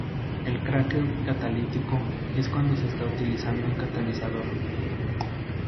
El craqueo catalítico es cuando se está utilizando un catalizador.